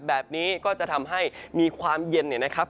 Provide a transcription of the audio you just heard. แบบนี้ก็จะทำให้มีความเย็นเนี่ยนะครับ